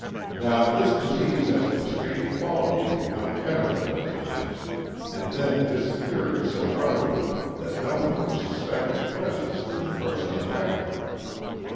Now, this disease has the strange quality of becoming evident at times, and then disappearing so utterly that no one would suspect its presence in the person affected.